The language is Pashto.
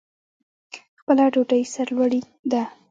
خپله ډوډۍ سرلوړي ده.